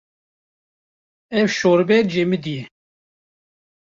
Ev şorbe cemidî ye.